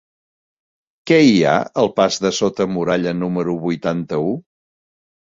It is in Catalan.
Què hi ha al pas de Sota Muralla número vuitanta-u?